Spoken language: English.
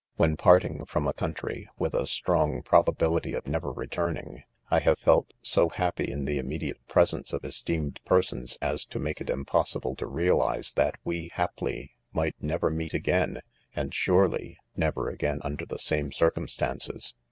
When parting from a covjitry, with a strong probability of never returning, I have felt so happy ia the immediate presence of esteemed' persons,, as to make iy impossible to realise that we haply might never meet again, and surely never again under the same circumstances.